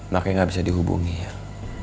makanya gak bisa dihubungin